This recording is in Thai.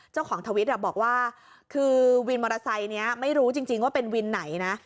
ทวิตบอกว่าคือวินมอเตอร์ไซค์นี้ไม่รู้จริงว่าเป็นวินไหนนะ